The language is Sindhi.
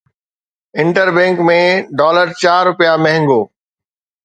انٽر بئنڪ ۾ ڊالر چار رپيا مهانگو